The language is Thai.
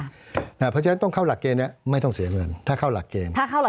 เพราะฉะนั้นต้องเข้าหลักเกณฑ์นี้ไม่ต้องเสียเงินถ้าเข้าหลักเกณฑ์